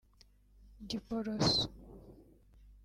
Giporoso